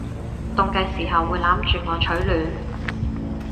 凍嘅時候會攬住我取暖